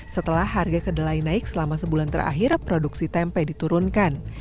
setelah harga kedelai naik selama sebulan terakhir produksi tempe diturunkan